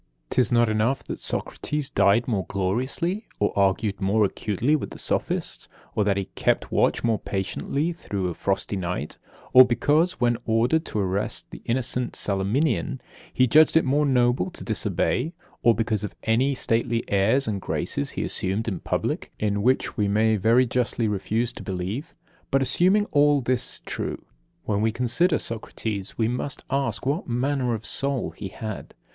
'Tis not enough that Socrates died more gloriously or argued more acutely with the sophists; or that he kept watch more patiently through a frosty night; or because, when ordered to arrest the innocent Salaminian, he judged it more noble to disobey; or because of any stately airs and graces he assumed in public, in which we may very justly refuse to believe. But, assuming all this true, when we consider Socrates, we must ask what manner of soul he had.